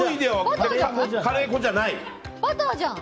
バターじゃん！